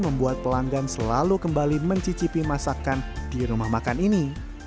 membuat pelanggan selalu kembali mencicipi masakan di rumah makan ini